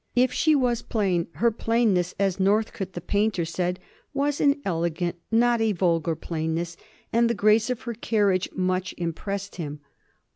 If she was plain, her plainness, as Northcote, the painter, said, was an elegant, not a vulgar plainness, and the grace of her carriage much impressed him.